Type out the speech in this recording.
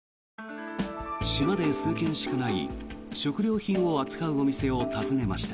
島で数軒しかない食料品を扱うお店を尋ねました。